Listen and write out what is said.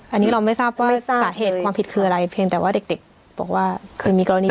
อันนี้เราไม่ทราบว่าสาเหตุความผิดคืออะไรเพียงแต่ว่าเด็กบอกว่าเคยมีกรณี